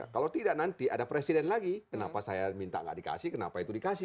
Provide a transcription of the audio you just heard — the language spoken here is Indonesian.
kalau tidak nanti ada presiden lagi kenapa saya minta nggak dikasih kenapa itu dikasih